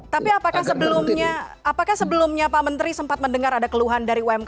tapi apakah sebelumnya pak menteri sempat mendengar ada keluhan dari uu pak